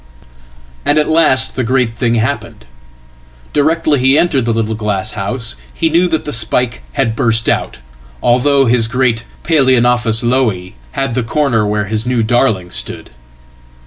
And at last the great thing happened. Directly he entered the little glasshouse he knew that the spike had burst out, although his great_Paloeonophis Lowii_ hid the corner where his new darling stood.